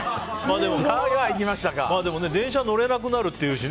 でも、電車乗れなくなるっていうしね。